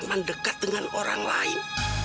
jangan sampai dia dekat dengan orang lain